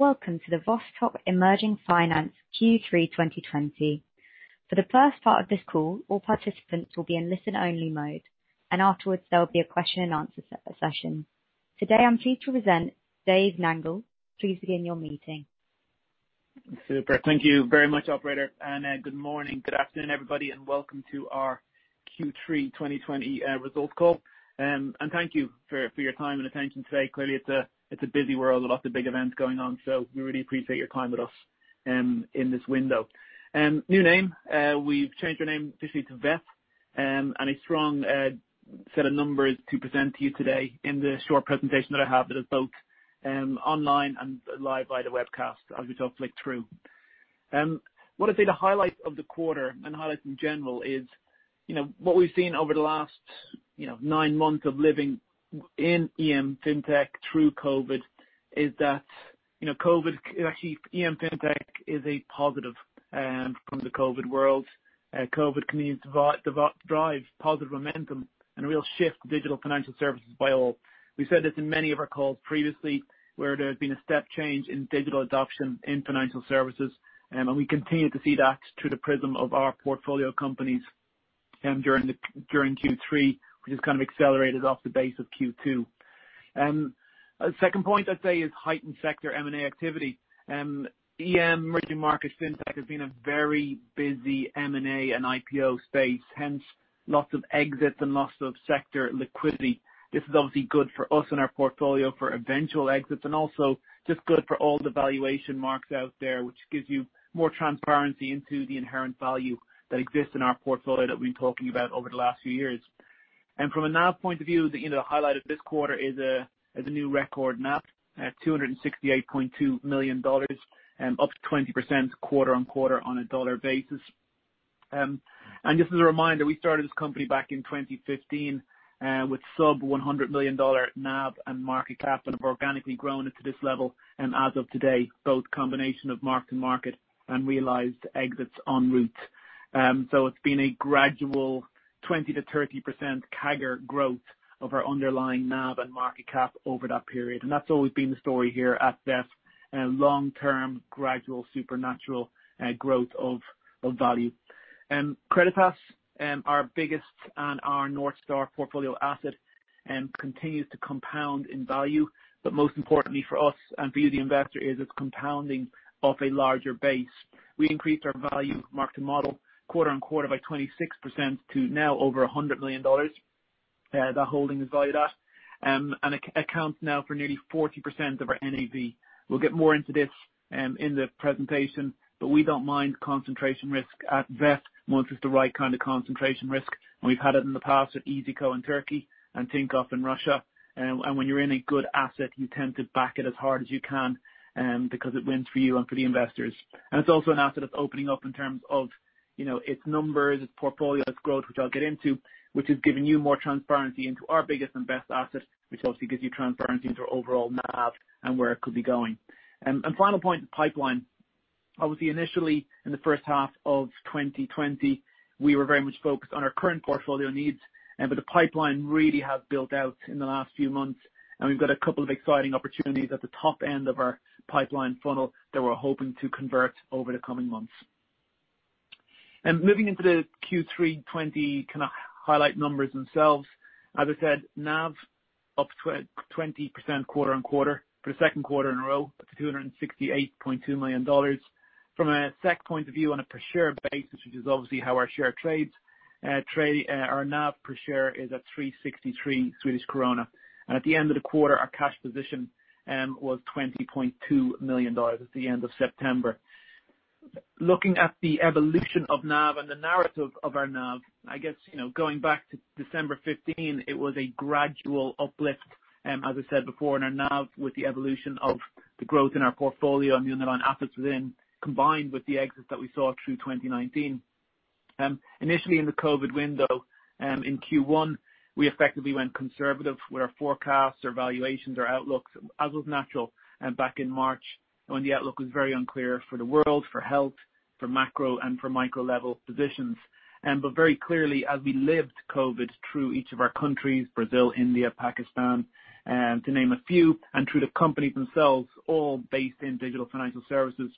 Welcome to the Vostok Emerging Finance Q3 2020. For the first part of this call, all participants will be in listen-only mode, and afterwards there will be a question-and-answer session. Today, I'm pleased to present Dave Nangle. Please begin your meeting. Super. Thank you very much, Operator. And good morning, good afternoon, everybody, and welcome to our Q3 2020 results call. And thank you for your time and attention today. Clearly, it's a busy world, lots of big events going on, so we really appreciate your time with us in this window. New name, we've changed our name officially to VEF, and a strong set of numbers to present to you today in the short presentation that I have that is both online and live via the webcast as we talk flick through. What I'd say the highlight of the quarter, and highlight in general, is what we've seen over the last nine months of living in EM FinTech through COVID is that COVID, actually EM FinTech is a positive from the COVID world. COVID continues to drive positive momentum and a real shift to digital financial services by all. We said this in many of our calls previously where there has been a step change in digital adoption in financial services, and we continue to see that through the prism of our portfolio companies during Q3, which has kind of accelerated off the base of Q2. Second point I'd say is heightened sector M&A activity. EM, emerging markets, FinTech has been a very busy M&A and IPO space, hence lots of exits and lots of sector liquidity. This is obviously good for us and our portfolio for eventual exits and also just good for all the valuation marks out there, which gives you more transparency into the inherent value that exists in our portfolio that we've been talking about over the last few years. From a NAV point of view, the highlight of this quarter is a new record NAV at $268.2 million, up 20% quarter on quarter on a dollar basis. Just as a reminder, we started this company back in 2015 with sub-$100 million NAV and market cap, and have organically grown to this level as of today, both combination of mark-to-market and realized exits en route. It's been a gradual 20%-30% CAGR growth of our underlying NAV and market cap over that period. That's always been the story here at VEF, long-term, gradual, sustainable growth of value. Creditas, our biggest and our North Star portfolio asset, continues to compound in value, but most importantly for us and for you, the investor, is its compounding off a larger base. We increased our value, mark-to-model, quarter on quarter by 26% to now over $100 million. That holding is valued at and accounts now for nearly 40% of our NAV. We'll get more into this in the presentation, but we don't mind concentration risk at VEF once it's the right kind of concentration risk. And we've had it in the past at iyzico in Turkey and Tinkoff in Russia. And when you're in a good asset, you tend to back it as hard as you can because it wins for you and for the investors. And it's also an asset that's opening up in terms of its numbers, its portfolio, its growth, which I'll get into, which is giving you more transparency into our biggest and best asset, which obviously gives you transparency into our overall NAV and where it could be going. And final point, the pipeline. Obviously, initially in the first half of 2020, we were very much focused on our current portfolio needs, but the pipeline really has built out in the last few months, and we've got a couple of exciting opportunities at the top end of our pipeline funnel that we're hoping to convert over the coming months. Moving into the Q3 2020 kind of highlight numbers themselves. As I said, NAV up 20% quarter on quarter for the second quarter in a row to $268.2 million. From a SEK point of view, on a per-share basis, which is obviously how our share trades, our NAV per share is at 363. At the end of the quarter, our cash position was $20.2 million at the end of September. Looking at the evolution of NAV and the narrative of our NAV, I guess going back to December 2015, it was a gradual uplift, as I said before, in our NAV with the evolution of the growth in our portfolio and the underlying assets within, combined with the exits that we saw through 2019. Initially, in the COVID window, in Q1, we effectively went conservative with our forecasts, our valuations, our outlooks, as was natural back in March when the outlook was very unclear for the world, for health, for macro and for micro level positions. Very clearly, as we lived through COVID in each of our countries, Brazil, India, Pakistan, to name a few, and through the companies themselves, all based in digital financial services,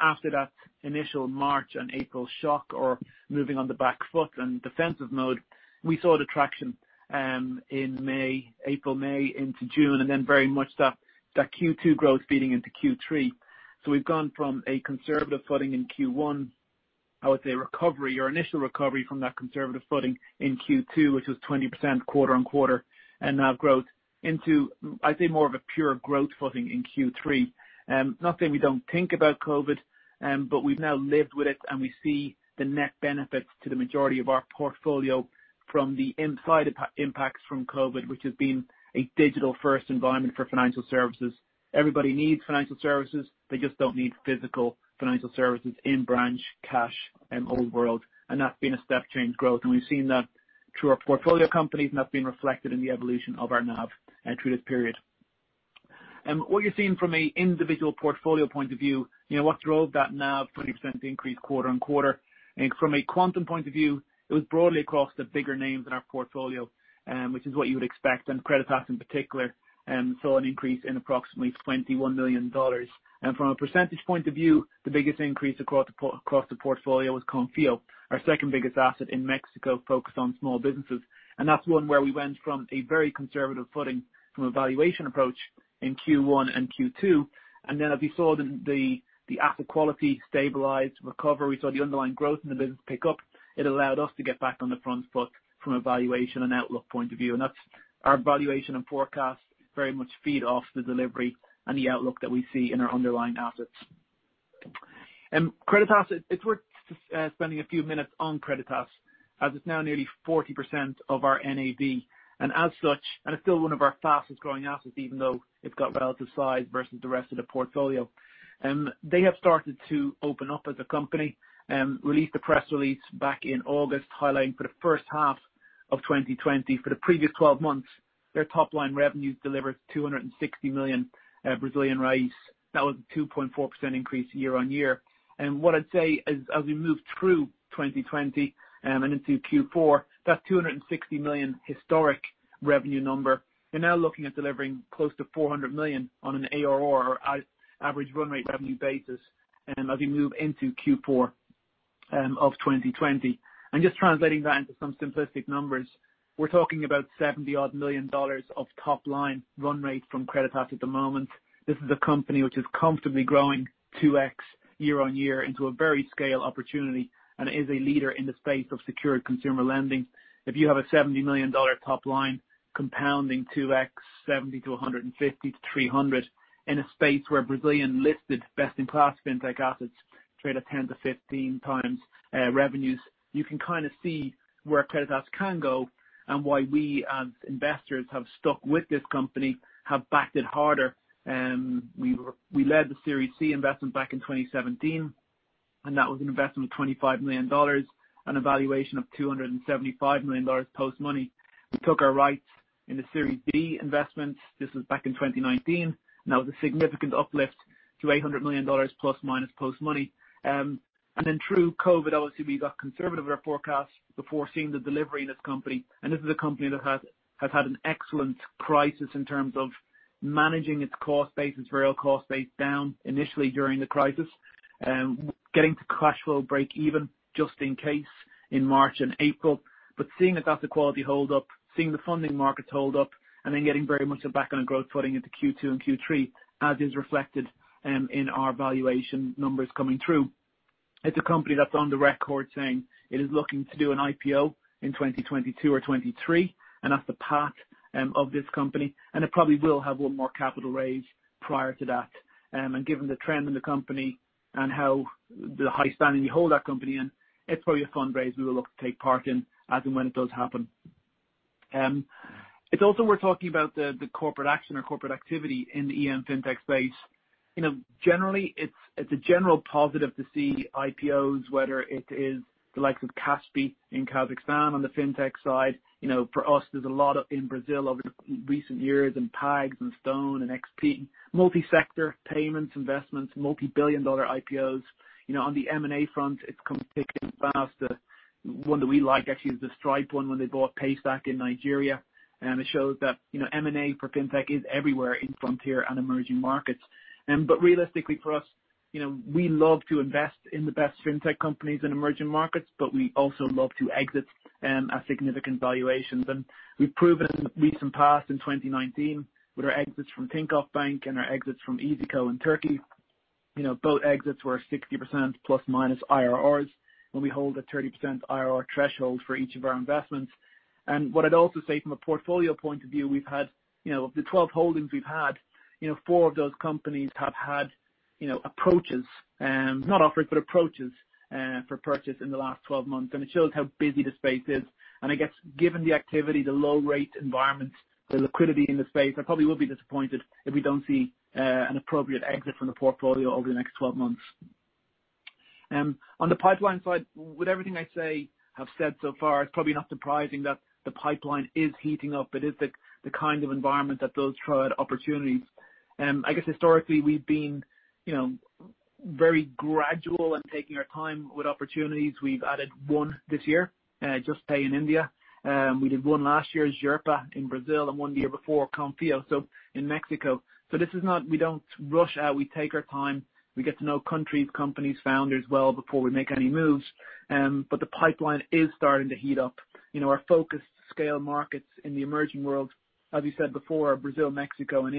after that initial March and April shock or moving on the back foot and defensive mode, we saw traction in April, May into June, and then very much that Q2 growth feeding into Q3. We've gone from a conservative footing in Q1. I would say recovery or initial recovery from that conservative footing in Q2, which was 20% quarter on quarter, and now growth into, I'd say, more of a pure growth footing in Q3. We're not saying we don't think about COVID, but we've now lived with it, and we see the net benefits to the majority of our portfolio from the upside impacts from COVID, which has been a digital-first environment for financial services. Everybody needs financial services. They just don't need physical financial services in branch, cash, and old world. And that's been a step change growth. And we've seen that through our portfolio companies, and that's been reflected in the evolution of our NAV through this period. And what you're seeing from an individual portfolio point of view, what drove that NAV 20% increase quarter on quarter? From a quantum point of view, it was broadly across the bigger names in our portfolio, which is what you would expect, and Creditas, in particular, saw an increase in approximately $21 million. And from a percentage point of view, the biggest increase across the portfolio was Konfío, our second biggest asset in Mexico focused on small businesses. And that's one where we went from a very conservative footing from a valuation approach in Q1 and Q2. And then as we saw the asset quality stabilize, recover, we saw the underlying growth in the business pick up. It allowed us to get back on the front foot from a valuation and outlook point of view. And our valuation and forecast very much feed off the delivery and the outlook that we see in our underlying assets. And Creditas, it's worth spending a few minutes on Creditas, as it's now nearly 40% of our NAV. And as such, and it's still one of our fastest growing assets, even though it's got relative size versus the rest of the portfolio. They have started to open up as a company, released a press release back in August highlighting for the first half of 2020. For the previous 12 months, their top-line revenues delivered 260 million. That was a 2.4% increase year on year. What I'd say is, as we move through 2020 and into Q4, that's $260 million historic revenue number. They're now looking at delivering close to $400 million on an ARR, or average run rate revenue basis, as we move into Q4 of 2020. Just translating that into some simplistic numbers, we're talking about $70 million of top-line run rate from Creditas at the moment. This is a company which is comfortably growing 2X year on year into a very scale opportunity, and it is a leader in the space of secured consumer lending. If you have a $70 million top line compounding 2X, 70 to 150 to 300 in a space where Brazilian listed best-in-class FinTech assets trade at 10-15 times revenues, you can kind of see where Creditas can go and why we, as investors, have stuck with this company, have backed it harder. We led the Series C investment back in 2017, and that was an investment of $25 million and a valuation of $275 million post-money. We took our rights in the Series B investments. This was back in 2019, and that was a significant uplift to $800 million plus-minus post-money, and then through COVID, obviously, we got conservative with our forecast before seeing the delivery in this company, and this is a company that has had an excellent crisis in terms of managing its cost basis, very low cost base, down initially during the crisis, getting to cash flow break-even just in case in March and April, but seeing its asset quality hold up, seeing the funding markets hold up, and then getting very much a back-on-a-growth footing into Q2 and Q3, as is reflected in our valuation numbers coming through. It's a company that's on the record saying it is looking to do an IPO in 2022 or 2023, and that's the path of this company. And it probably will have one more capital raise prior to that. And given the trend in the company and how the high spending we hold that company in, it's probably a fundraise we will look to take part in as and when it does happen. It's also worth talking about the corporate action or corporate activity in the EM FinTech space. Generally, it's a general positive to see IPOs, whether it is the likes of Kaspi in Kazakhstan on the FinTech side. For us, there's a lot in Brazil over the recent years and PAGS and Stone and XP, multi-sector payments, investments, multi-billion dollar IPOs. On the M&A front, it's coming thick and fast. One that we like actually is the Stripe one when they bought Paystack in Nigeria. It shows that M&A for FinTech is everywhere in frontier and emerging markets. But realistically, for us, we love to invest in the best FinTech companies in emerging markets, but we also love to exit at significant valuations. And we've proven in the recent past in 2019 with our exits from Tinkoff Bank and our exits from iyzico in Turkey. Both exits were 60% plus-minus IRRs when we hold a 30% IRR threshold for each of our investments. And what I'd also say from a portfolio point of view, we've had of the 12 holdings we've had, four of those companies have had approaches, not offers, but approaches for purchase in the last 12 months. And it shows how busy the space is. I guess given the activity, the low-rate environment, the liquidity in the space, I probably will be disappointed if we don't see an appropriate exit from the portfolio over the next 12 months. On the pipeline side, with everything I have said so far, it's probably not surprising that the pipeline is heating up. It is the kind of environment that does throw out opportunities. I guess historically, we've been very gradual in taking our time with opportunities. We've added one this year, Juspay in India. We did one last year, Xerpa in Brazil, and one the year before, Konfío, so in Mexico. So we don't rush out. We take our time. We get to know countries, companies, founders well before we make any moves, but the pipeline is starting to heat up. Our focus scale markets in the emerging world, as you said before, Brazil, Mexico, and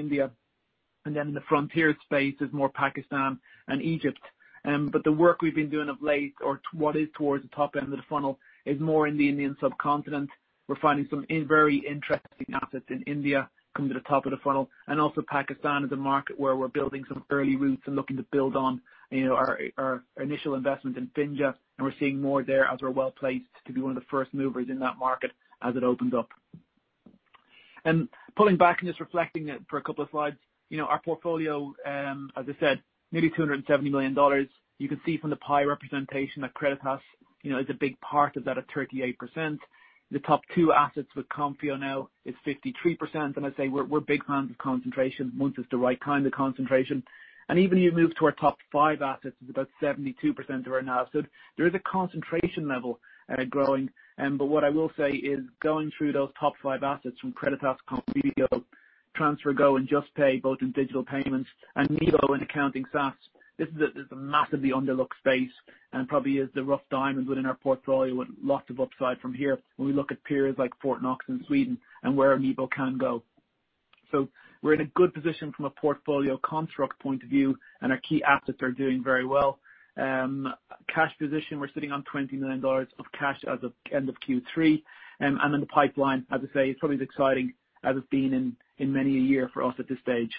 India. And then in the frontier space, there's more Pakistan and Egypt. But the work we've been doing of late, or what is towards the top end of the funnel, is more in the Indian subcontinent. We're finding some very interesting assets in India come to the top of the funnel. And also Pakistan is a market where we're building some early roots and looking to build on our initial investment in Finja. And we're seeing more there as we're well placed to be one of the first movers in that market as it opens up. And pulling back and just reflecting for a couple of slides, our portfolio, as I said, nearly $270 million. You can see from the pie representation that Creditas is a big part of that at 38%. The top two assets with Konfío now is 53%. And I say we're big fans of concentration once it's the right kind of concentration. And even if you move to our top five assets, it's about 72% of our NAV. So there is a concentration level growing. But what I will say is going through those top five assets from Creditas, Konfío, TransferGo, and Juspay, both in digital payments, and Nibo in accounting SaaS, this is a massively overlooked space and probably is the rough diamond within our portfolio with lots of upside from here when we look at peers like Fortnox in Sweden and where Nibo can go. So we're in a good position from a portfolio construct point of view, and our key assets are doing very well. Cash position, we're sitting on $20 million of cash as of end of Q3. The pipeline, as I say, is probably as exciting as it's been in many a year for us at this stage.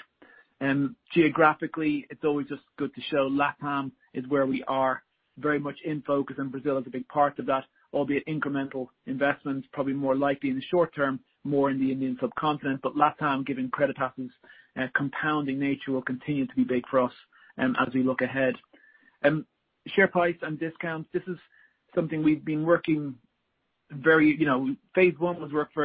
Geographically, it's always just good to show LATAM is where we are very much in focus, and Brazil is a big part of that, albeit incremental investments, probably more likely in the short term, more in the Indian subcontinent. LATAM, given Creditas's compounding nature, will continue to be big for us as we look ahead. Share price and discounts. This is something we've been working very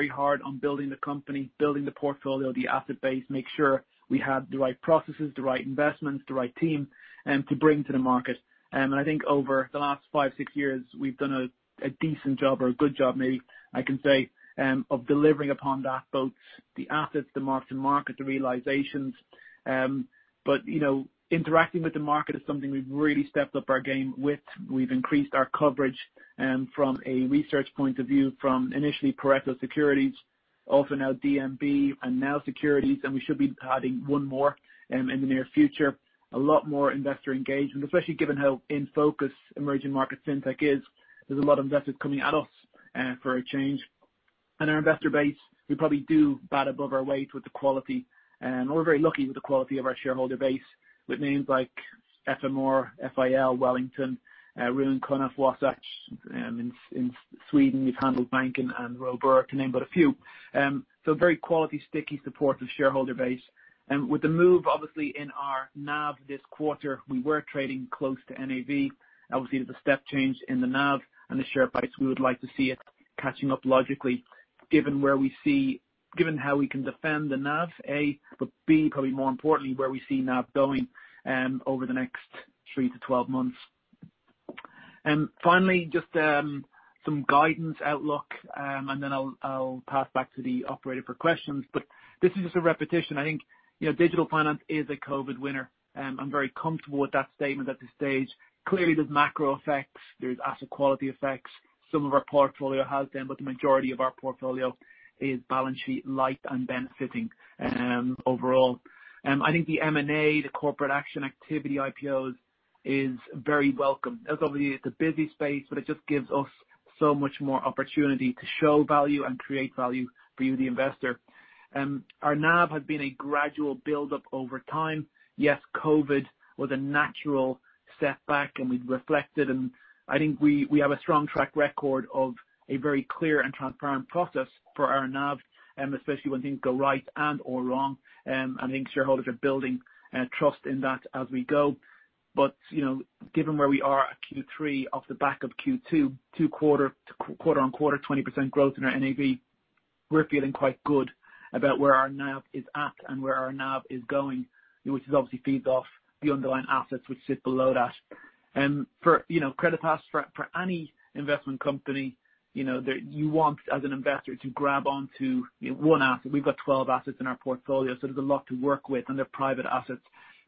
hard on building the company, building the portfolio, the asset base, make sure we had the right processes, the right investments, the right team to bring to the market. And I think over the last five, six years, we've done a decent job or a good job, maybe I can say, of delivering upon that, both the assets, the mark-to-market, the realizations. But interacting with the market is something we've really stepped up our game with. We've increased our coverage from a research point of view, from initially Pareto Securities, also now DNB Markets and Nau Securities, and we should be adding one more in the near future. A lot more investor engagement, especially given how in focus emerging market FinTech is. There's a lot of investors coming at us for a change. And our investor base, we probably do bat above our weight with the quality. We're very lucky with the quality of our shareholder base with names like FMR, FIL, Wellington, Ruane, Cunniff & Goldfarb, Wasatch in Sweden, Handelsbanken Fonder and Swedbank Robur, to name but a few. So very quality sticky support of shareholder base. With the move, obviously, in our NAV this quarter, we were trading close to NAV. Obviously, there's a step change in the NAV and the share price. We would like to see it catching up logically, given how we can defend the NAV, A, but B, probably more importantly, where we see NAV going over the next three to 12 months. Finally, just some guidance outlook, and then I'll pass back to the operator for questions. But this is just a repetition. I think digital finance is a COVID winner. I'm very comfortable with that statement at this stage. Clearly, there's macro effects. There's asset quality effects. Some of our portfolio has been, but the majority of our portfolio is balance sheet light and benefiting overall. I think the M&A, the corporate action activity IPOs is very welcome. That's obviously it's a busy space, but it just gives us so much more opportunity to show value and create value for you, the investor. Our NAV has been a gradual build-up over time. Yes, COVID was a natural setback, and we've reflected, and I think we have a strong track record of a very clear and transparent process for our NAV, especially when things go right and/or wrong, and I think shareholders are building trust in that as we go, but given where we are at Q3 off the back of Q2, two quarter on quarter, 20% growth in our NAV, we're feeling quite good about where our NAV is at and where our NAV is going, which obviously feeds off the underlying assets which sit below that. For Creditas, for any investment company, you want, as an investor, to grab onto one asset. We've got 12 assets in our portfolio, so there's a lot to work with on their private assets.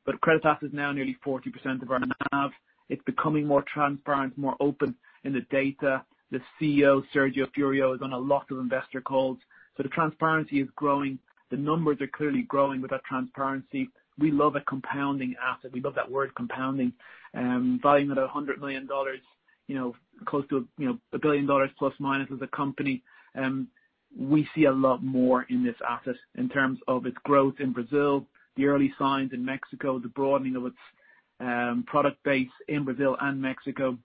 But Creditas is now nearly 40% of our NAV. It's becoming more transparent, more open in the data. The CEO, Sergio Furio, is on a lot of investor calls. So the transparency is growing. The numbers are clearly growing with that transparency. We love a compounding asset. We love that word, compounding. Valuing at $100 million, close to $1 billion plus-minus as a company, we see a lot more in this asset in terms of its growth in Brazil, the early signs in Mexico, the broadening of its product base in Brazil and Mexico,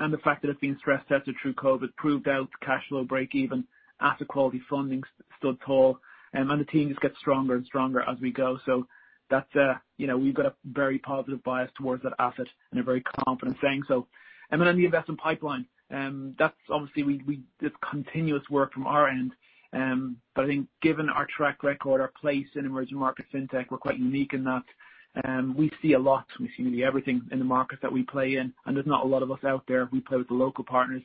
and the fact that it's being stress tested through COVID, proved out cash flow break-even, asset quality funding stood tall. And the team just gets stronger and stronger as we go. So we've got a very positive bias towards that asset and a very confident saying so. And then on the investment pipeline, that's obviously just continuous work from our end. But I think given our track record, our place in emerging market FinTech, we're quite unique in that we see a lot. We see nearly everything in the markets that we play in. And there's not a lot of us out there. We play with the local partners.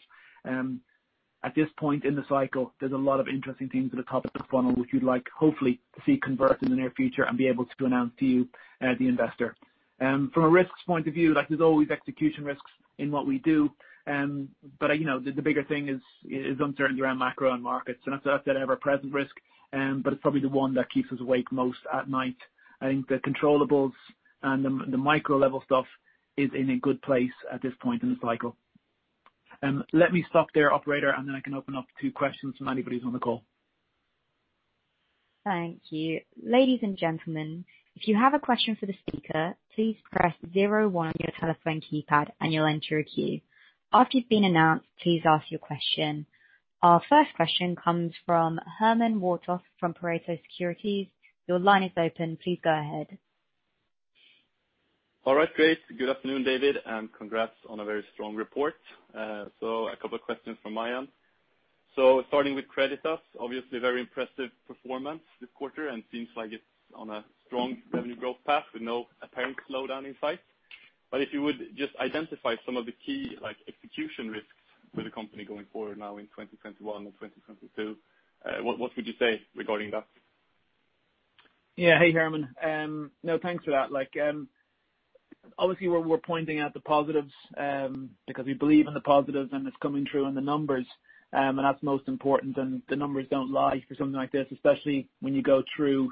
At this point in the cycle, there's a lot of interesting things at the top of the funnel, which we'd like, hopefully, to see convert in the near future and be able to announce to you, the investor. From a risks point of view, there's always execution risks in what we do. But the bigger thing is uncertainty around macro and markets. That's our ever-present risk, but it's probably the one that keeps us awake most at night. I think the controllables, and the micro-level stuff is in a good place at this point in the cycle. Let me stop there, operator, and then I can open up to questions from anybody who's on the call. Thank you. Ladies and gentlemen, if you have a question for the speaker, please press zero one on your telephone keypad and you'll enter a queue. After you've been announced, please ask your question. Our first question comes from Hermann Wreford from Pareto Securities. Your line is open. Please go ahead. All right. Great. Good afternoon, Dave, and congrats on a very strong report. So a couple of questions from my end. So starting with Creditas, obviously very impressive performance this quarter and seems like it's on a strong revenue growth path with no apparent slowdown in sight. But if you would just identify some of the key execution risks for the company going forward now in 2021 and 2022, what would you say regarding that? Yeah. Hey, Hermann. No, thanks for that. Obviously, we're pointing out the positives because we believe in the positives and it's coming true in the numbers. And that's most important. The numbers don't lie for something like this, especially when you go through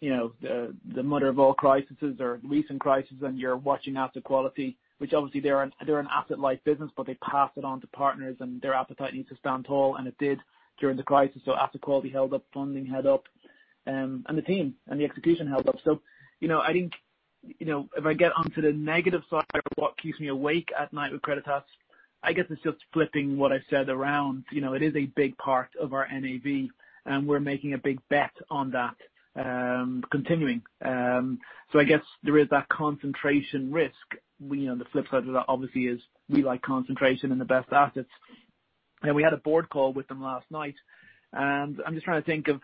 the mother of all crises or recent crises and you're watching asset quality, which obviously they're an asset-like business, but they pass it on to partners and their appetite needs to stand tall. It did during the crisis. Asset quality held up, funding held up, and the team and the execution held up. I think if I get onto the negative side of what keeps me awake at night with Creditas, I guess it's just flipping what I said around. It is a big part of our NAV, and we're making a big bet on that continuing. I guess there is that concentration risk. The flip side of that obviously is we like concentration in the best assets. We had a board call with them last night. I'm just trying to think of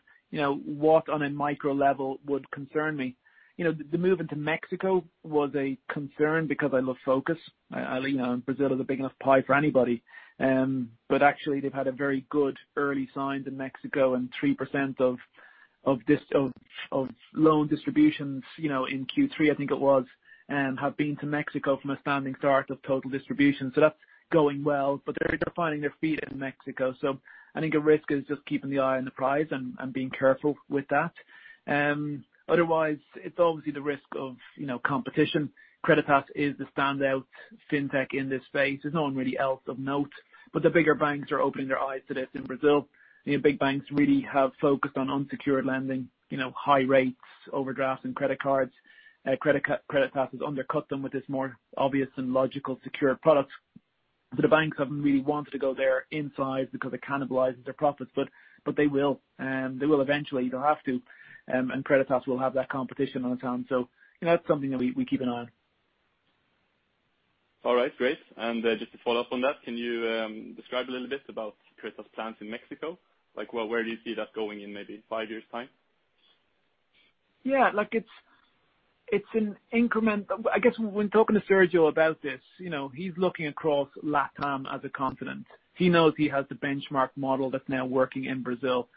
what on a micro level would concern me. The move into Mexico was a concern because I love focus. Brazil is a big enough pie for anybody. Actually, they've had very good early signs in Mexico and 3% of loan distributions in Q3, I think it was, have been to Mexico from a standing start of total distribution. That's going well, but they're finding their feet in Mexico. I think a risk is just keeping the eye on the prize and being careful with that. Otherwise, it's obviously the risk of competition. Creditas is the standout FinTech in this space. There's no one really else of note. But the bigger banks are opening their eyes to this in Brazil. Big banks really have focused on unsecured lending, high rates, overdrafts and credit cards. Creditas has undercut them with this more obvious and logical secure product. So the banks haven't really wanted to go there in size because it cannibalizes their profits. But they will eventually. They'll have to. And Creditas will have that competition on its own. So that's something that we keep an eye on. All right. Great. And just to follow up on that, can you describe a little bit about Creditas' plans in Mexico? Where do you see that going in maybe five years' time? Yeah. It's an increment. I guess when talking to Sergio about this, he's looking across LATAM as a continent. He knows he has the benchmark model that's now working in Brazil,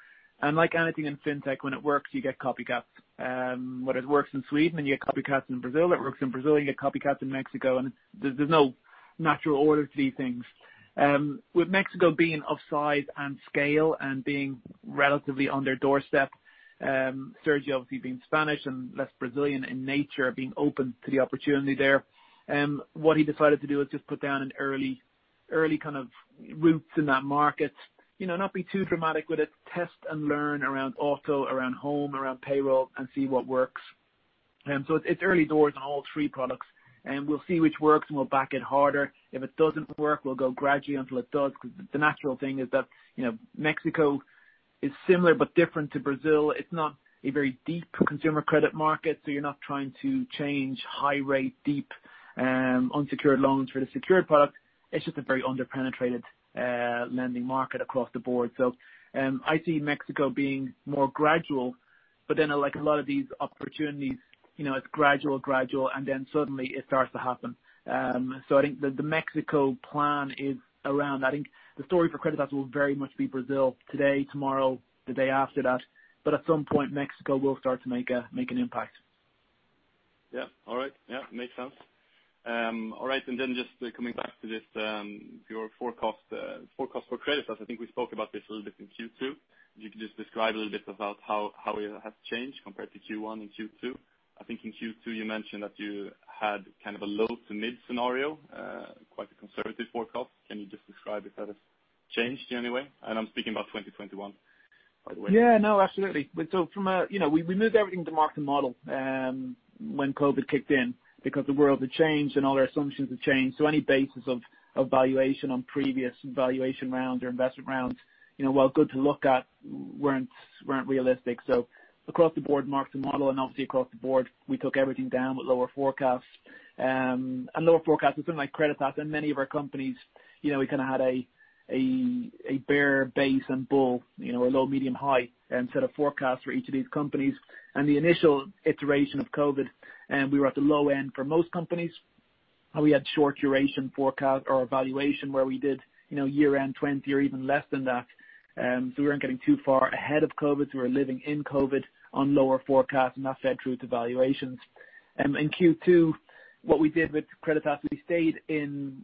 and like anything in FinTech, when it works, you get copycats. When it works in Sweden, then you get copycats in Brazil. It works in Brazil, you get copycats in Mexico, and there's no natural order to these things. With Mexico being of size and scale and being relatively on their doorstep, Sergio obviously being Spanish and less Brazilian in nature, being open to the opportunity there, what he decided to do is just put down an early kind of roots in that market, not be too dramatic with it, test and learn around auto, around home, around payroll, and see what works, so it's early doors on all three products. We'll see which works, and we'll back it harder. If it doesn't work, we'll go gradually until it does. The natural thing is that Mexico is similar but different to Brazil. It's not a very deep consumer credit market, so you're not trying to change high-rate, deep, unsecured loans for the secured product. It's just a very underpenetrated lending market across the board. I see Mexico being more gradual, but then a lot of these opportunities, it's gradual, gradual, and then suddenly it starts to happen. I think the Mexico plan is around. I think the story for Creditas will very much be Brazil today, tomorrow, the day after that. At some point, Mexico will start to make an impact. Yeah. All right. Yeah. Makes sense. All right. And then, just coming back to this forecast for Creditas, I think we spoke about this a little bit in Q2. If you could just describe a little bit about how it has changed compared to Q1 and Q2. I think in Q2, you mentioned that you had kind of a low to mid scenario, quite a conservative forecast. Can you just describe if that has changed in any way? And I'm speaking about 2021, by the way. Yeah. No, absolutely. So we moved everything to mark-to-model when COVID kicked in because the world had changed and all our assumptions had changed. So any basis of valuation on previous valuation rounds or investment rounds, while good to look at, weren't realistic. So across the board, mark-to-model, and obviously across the board, we took everything down with lower forecasts. And lower forecasts with something like Creditas and many of our companies, we kind of had a bear base and bull or low, medium, high set of forecasts for each of these companies. And the initial iteration of COVID, we were at the low end for most companies. We had short duration forecast or valuation where we did year-end 2020 or even less than that. So we weren't getting too far ahead of COVID. So we were living in COVID on lower forecasts, and that fed through to valuations. In Q2, what we did with Creditas is we stayed in,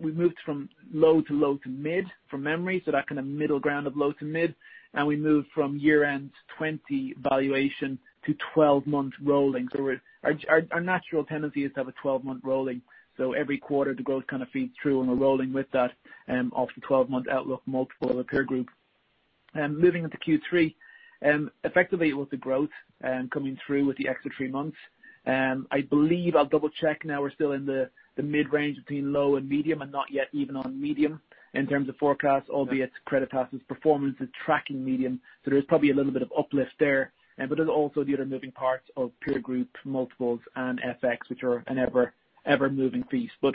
we moved from low to mid from memory, so that kind of middle ground of low to mid. And we moved from year-end 2020 valuation to 12-month rolling. So our natural tendency is to have a 12-month rolling. So every quarter, the growth kind of feeds through, and we're rolling with that off the 12-month outlook multiple of a peer group. Moving into Q3, effectively, it was the growth coming through with the extra three months. I believe I'll double-check now. We're still in the mid-range between low and medium and not yet even on medium in terms of forecasts, albeit Creditas's performance is tracking medium. So there is probably a little bit of uplift there. But there's also the other moving parts of peer group multiples and FX, which are an ever-moving feast. But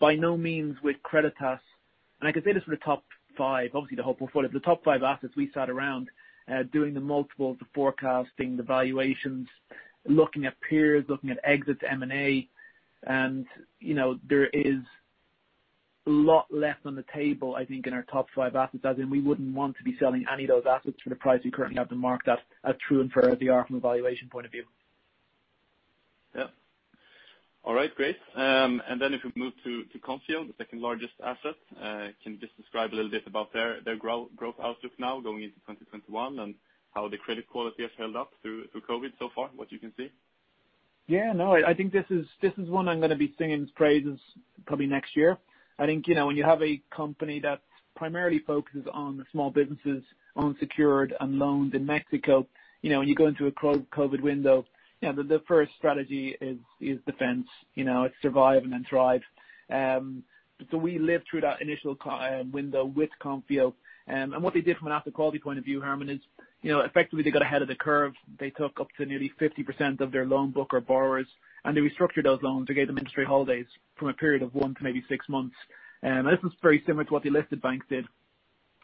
by no means with Creditas, and I can say this for the top five, obviously the whole portfolio, but the top five assets, we sat around doing the multiples, the forecasting, the valuations, looking at peers, looking at exits, M&A. And there is a lot less on the table, I think, in our top five assets. As in, we wouldn't want to be selling any of those assets for the price we currently have marked to market as true and fair as they are from a valuation point of view. Yeah. All right. Great. And then if we move to Konfío, the second largest asset, can you just describe a little bit about their growth outlook now going into 2021 and how the credit quality has held up through COVID so far, what you can see? Yeah. No, I think this is one I'm going to be singing praises probably next year. I think when you have a company that primarily focuses on small businesses, unsecured, and loans in Mexico, when you go into a COVID window, the first strategy is defense. It's survive and then thrive. So we lived through that initial window with Konfío, and what they did from an asset quality point of view, Hermann, is effectively they got ahead of the curve. They took up to nearly 50% of their loan book or borrowers, and they restructured those loans. They gave them payment holidays for a period of one to maybe six months, and this was very similar to what the listed banks did,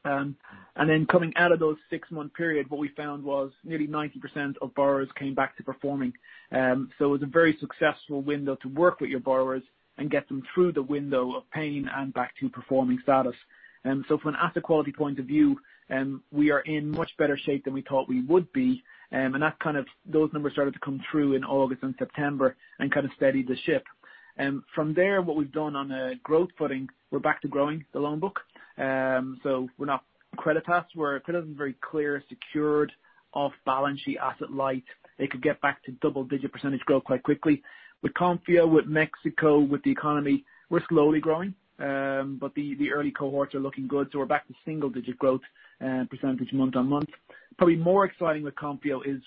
and then coming out of those six-month period, what we found was nearly 90% of borrowers came back to performing. It was a very successful window to work with your borrowers and get them through the window of pain and back to performing status. From an asset quality point of view, we are in much better shape than we thought we would be. Those numbers started to come through in August and September and kind of steadied the ship. From there, what we've done on a growth footing, we're back to growing the loan book. We're not Creditas. Creditas is very clear, secured, off-balance sheet asset light. They could get back to double-digit percentage growth quite quickly. With Konfío, with Mexico, with the economy, we're slowly growing, but the early cohorts are looking good. We're back to single-digit percentage growth month on month. Probably more exciting with Konfío is,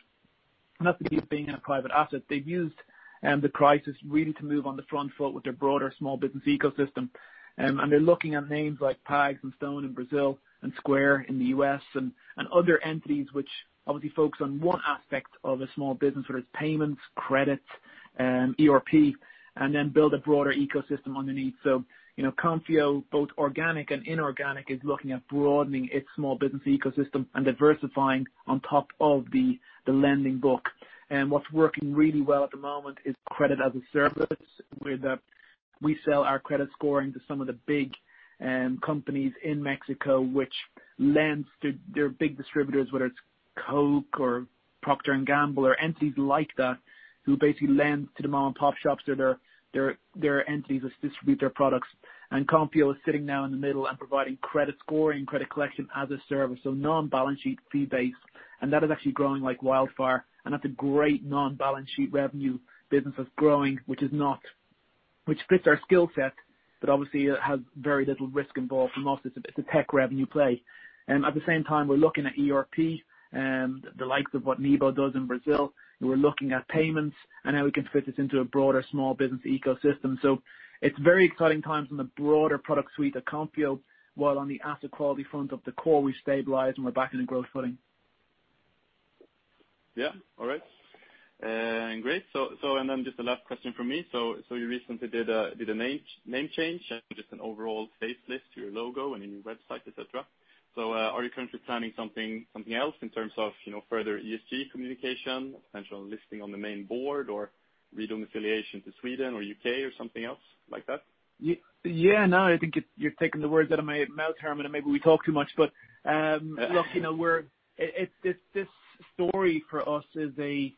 not to keep being a private asset, they've used the crisis really to move on the front foot with their broader small business ecosystem. And they're looking at names like PAGS and Stone in Brazil and Square in the U.S. and other entities which obviously focus on one aspect of a small business, whether it's payments, credits, ERP, and then build a broader ecosystem underneath. So Konfío, both organic and inorganic, is looking at broadening its small business ecosystem and diversifying on top of the lending book. What's working really well at the moment is Credit as a Service, where we sell our credit scoring to some of the big companies in Mexico, which lends to their big distributors, whether it's Coke or Procter & Gamble or entities like that, who basically lend to the mom-and-pop shops or their entities that distribute their products. Konfío is sitting now in the middle and providing credit scoring and credit collection as a service. So non-balance sheet fee-based. That is actually growing like wildfire. That's a great non-balance sheet revenue business that's growing, which fits our skill set, but obviously it has very little risk involved from us. It's a tech revenue play. At the same time, we're looking at ERP, the likes of what Nibo does in Brazil. We're looking at payments and how we can fit this into a broader small business ecosystem. It's very exciting times on the broader product suite at Konfío. While on the asset quality front of the core, we've stabilized and we're back in the growth footing. Yeah. All right. Great. And then just the last question from me. So you recently did a name change and just an overall facelift to your logo and your new website, etc. So are you currently planning something else in terms of further ESG communication, potential listing on the main board, or redoing affiliation to Sweden or UK or something else like that? Yeah. No, I think you're taking the words out of my mouth, Hermann, and maybe we talk too much, but look, this story for us is a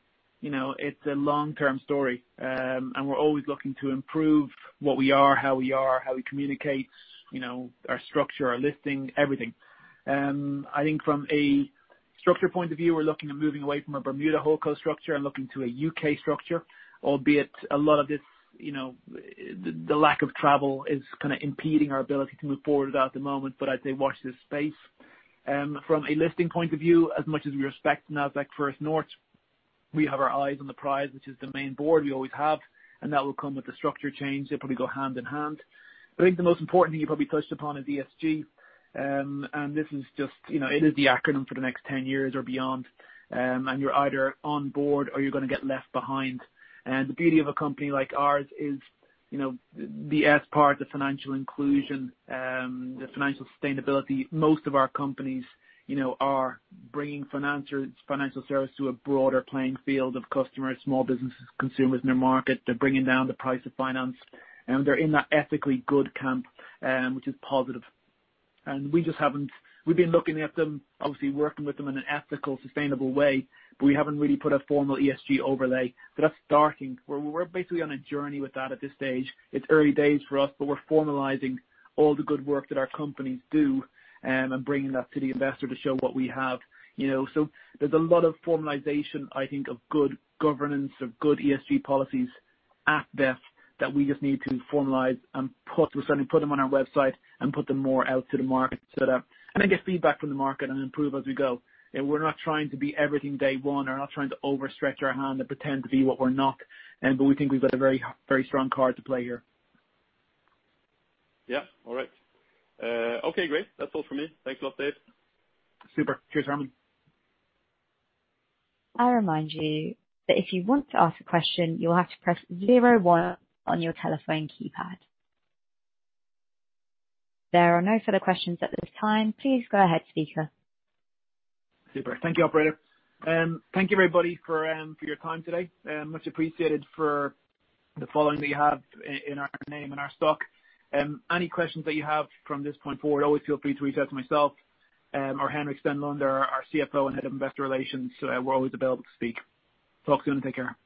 long-term story, and we're always looking to improve what we are, how we are, how we communicate, our structure, our listing, everything. I think from a structure point of view, we're looking at moving away from a Bermuda Hold structure and looking to a UK structure, albeit a lot of this, the lack of travel is kind of impeding our ability to move forward at the moment, but I'd say watch this space. From a listing point of view, as much as we respect Nasdaq First North, we have our eyes on the prize, which is the main board we always have, and that will come with the structure change. They'll probably go hand in hand. I think the most important thing you probably touched upon is ESG. And this is just, it is the acronym for the next 10 years or beyond. And you're either on board or you're going to get left behind. And the beauty of a company like ours is the S part, the financial inclusion, the financial sustainability. Most of our companies are bringing financial service to a broader playing field of customers, small businesses, consumers in their market. They're bringing down the price of finance. And they're in that ethically good camp, which is positive. And we just haven't, we've been looking at them, obviously working with them in an ethical, sustainable way, but we haven't really put a formal ESG overlay. But that's starting. We're basically on a journey with that at this stage. It's early days for us, but we're formalizing all the good work that our companies do and bringing that to the investor to show what we have. So there's a lot of formalization, I think, of good governance or good ESG policies at VEF that we just need to formalize and put, certainly put them on our website and put them more out to the market so that, and then get feedback from the market and improve as we go. We're not trying to be everything day one. We're not trying to overstretch our hand and pretend to be what we're not. But we think we've got a very strong card to play here. Yeah. All right. Okay. Great. That's all for me. Thanks a lot, Dave. Super. Cheers, Hermann. I'll remind you that if you want to ask a question, you'll have to press zero one on your telephone keypad. There are no further questions at this time. Please go ahead, speaker. Super. Thank you, operator. Thank you, everybody, for your time today. Much appreciated for the following that you have in our name and our stock. Any questions that you have from this point forward, always feel free to reach out to myself or Henrik Stenlund, our CFO and Head of Investor Relations. We're always available to speak. Talk soon and take care.